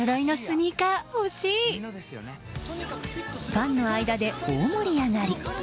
ファンの間で大盛り上がり。